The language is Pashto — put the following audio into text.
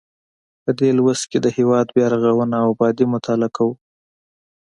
په دې لوست کې د هیواد بیا رغونه او ابادي مطالعه کوو.